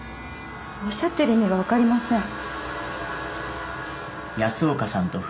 おっしゃっている意味が分かりません。